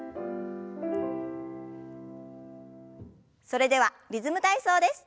それでは「リズム体操」です。